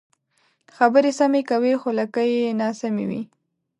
خبرې سمې کوې خو لکۍ یې ناسمې وي.